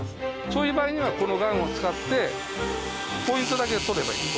そういう場合にはこのガンを使ってポイントだけ取ればいい。